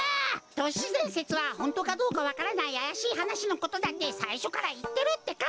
都市伝説はホントかどうかわからないあやしいはなしのことだってさいしょからいってるってか！